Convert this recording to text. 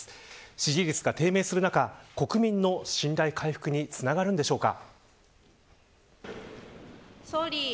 支持率が低迷する中国民の信頼回復につながるんでしょうか。